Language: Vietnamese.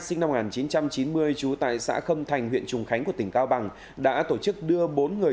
sinh năm một nghìn chín trăm chín mươi trú tại xã khâm thành huyện trùng khánh của tỉnh cao bằng đã tổ chức đưa bốn người